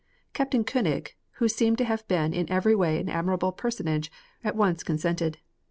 Captain Koenig, who seems to have been in every way an admirable personage, at once consented.